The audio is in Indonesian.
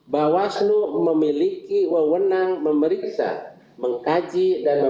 satu bawasnu memiliki wewenang memeriksa mengkaji dan memutus laporan pelapor